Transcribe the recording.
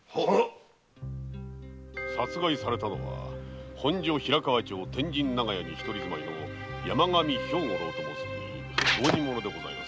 殺害されたのは平川町天神長屋に一人住まいの山上兵五郎と申す浪人者でございます。